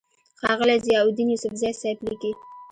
ښاغلے ضياءالدين يوسفزۍ صېب ليکي: